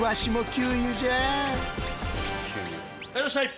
はいいらっしゃい。